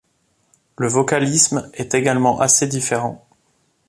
Le vocalisme est également assez différent.